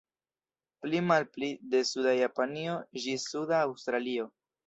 Pli-malpli de suda Japanio ĝis suda Aŭstralio.